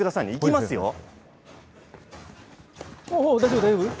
いきますよ。